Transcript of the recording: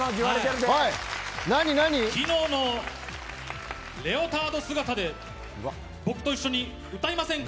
昨日のレオタード姿で僕と一緒に歌いませんか？